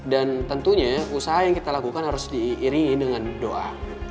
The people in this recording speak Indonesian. dan tentunya usaha yang kita lakukan harus diiringi dengan doa